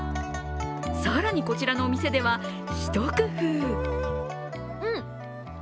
更に、こちらのお店では一工夫。